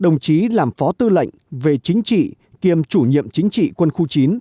đồng chí làm phó tư lệnh về chính trị kiêm chủ nhiệm chính trị quân khu chín